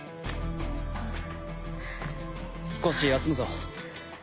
少し休むぞ。